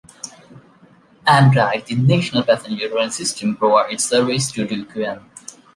Amtrak, the national passenger rail system, provides service to Du Quoin.